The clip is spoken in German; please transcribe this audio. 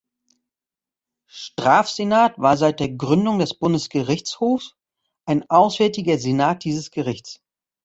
Strafsenat war seit der Gründung des Bundesgerichtshofs ein auswärtiger Senat dieses Gerichts.